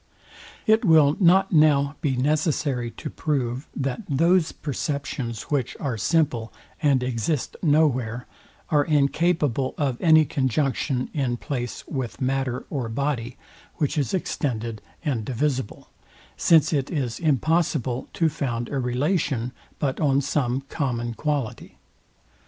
It will not now be necessary to prove, that those perceptions, which are simple, and exist no where, are incapable of any conjunction in place with matter or body, which is extended and divisible; since it is impossible to found a relation but on some common quality.